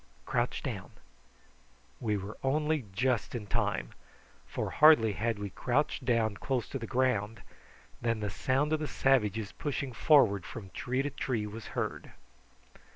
Hist! crouch down." We were only just in time, for hardly had we crouched down close to the ground than the sound of the savages pushing forward from tree to tree was heard.